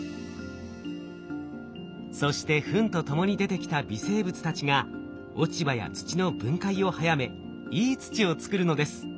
そしてフンとともに出てきた微生物たちが落ち葉や土の分解を早めいい土を作るのです。